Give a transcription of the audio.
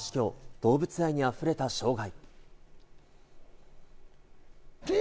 動物愛に溢れた生涯。